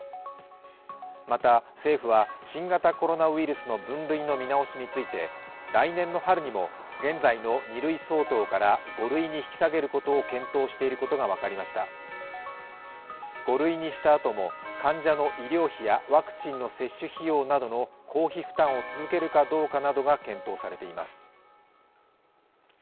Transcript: また政府は新型コロナウイルスの分類の見直しについて、来年の春にも現在の２類相当から５類に引き下げることを５類にしたあとも患者の医療費やワクチンの接種費用などの公費負担を続けるかどうかなどが検討されています。